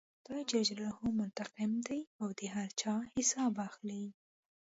خدای جل جلاله منتقم دی او د هر چا حساب اخلي.